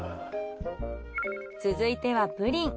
続いてはプリン。